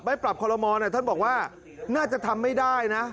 ปรับคอลโมท่านบอกว่าน่าจะทำไม่ได้นะ